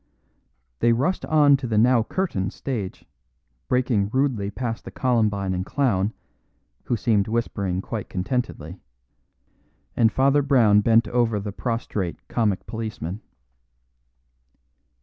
They rushed on to the now curtained stage, breaking rudely past the columbine and clown (who seemed whispering quite contentedly), and Father Brown bent over the prostrate comic policeman.